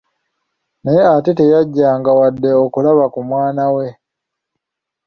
Naye ate teyajjanga wadde okulaba ku mwana we.